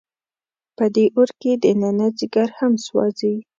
په دې اور کې دننه ځیګر هم سوځي.